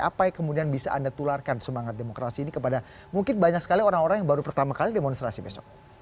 apa yang kemudian bisa anda tularkan semangat demokrasi ini kepada mungkin banyak sekali orang orang yang baru pertama kali demonstrasi besok